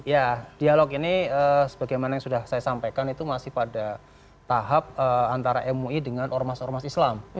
ya dialog ini sebagaimana yang sudah saya sampaikan itu masih pada tahap antara mui dengan ormas ormas islam